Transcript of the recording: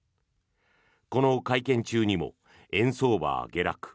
この会見中にも円相場は下落。